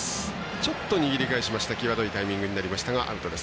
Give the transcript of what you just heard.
ちょっと握り返して際どいタイミングになりましたがアウトです。